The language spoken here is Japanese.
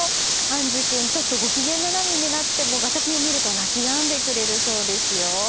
安珠君ちょっとご機嫌斜めになってもガチャピンを見ると泣き止んでくれるそうですよ。